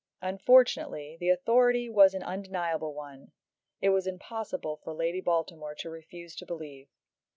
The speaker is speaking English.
Unfortunately the authority was an undeniable one. It was impossible for Lady Baltimore to refuse to believe.